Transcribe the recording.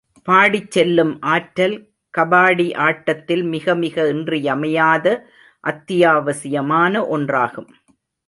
பாடிச் செல்லும் ஆற்றல் கபாடி ஆட்டத்தில் மிக மிக இன்றியமையாத, அத்தியாவசியமான ஒன்றாகும்.